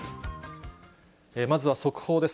まずは速報です。